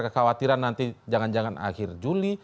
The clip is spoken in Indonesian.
kekhawatiran nanti jangan jangan akhir juli